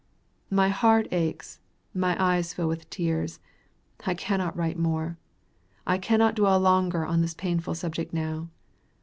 My heart aches, my eyes fill with tears, I cannot write more. I cannot dwell longer on this painful subject now.